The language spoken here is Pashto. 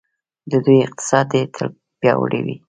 د دوی اقتصاد دې تل پیاوړی وي.